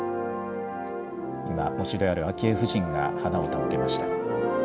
今、喪主である昭恵夫人が花を手向けました。